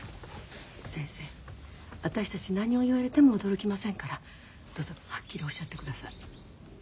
先生私たち何を言われても驚きませんからどうぞはっきりおっしゃってください。